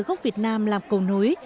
gốc việt nam làm cầu nối